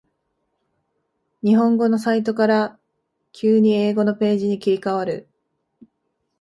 日本語のサイトから急に英語のページに切り替わる